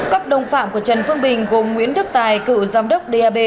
các đồng phạm của trần phương bình gồm nguyễn đức tài cựu giám đốc dap